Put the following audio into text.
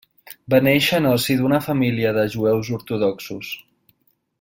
Va néixer en el si d'una família de jueus ortodoxos.